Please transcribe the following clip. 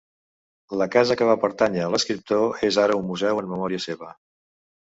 La casa que va pertànyer a l'escriptor és ara un museu en memòria seva.